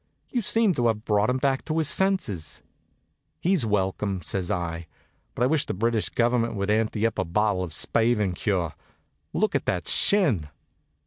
You seem to have brought him back to his senses." "He's welcome," says I; "but I wish the British Government would ante up a bottle of spavin cure. Look at that shin."